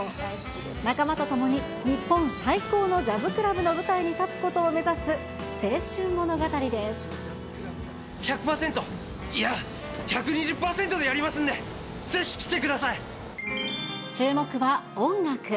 仲間と共に日本最高のジャズクラブの舞台に立つことを目指す、１００％、いや、１２０％で注目は、音楽。